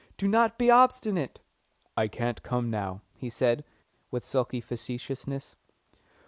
"Do not be obstinate." "I can't come now," he said, with sulky facetiousness.